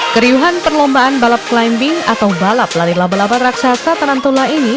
keriuhan perlombaan balap climbing atau balap lari laba laba raksasa tarantula ini